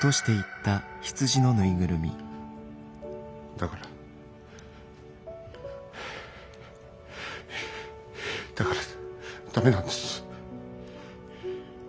だからはあだからダメなんです。